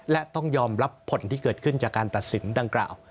และต้องยอมรับผลที่เกิดขึ้นจากการตัดสินดังกล่าว